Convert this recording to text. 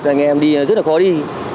cho anh em đi rất là khó đi